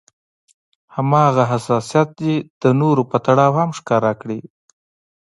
هماغه حساسيت دې د نورو په تړاو هم ښکاره کړي.